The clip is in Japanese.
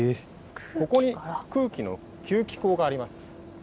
ここに空気の給気口があります。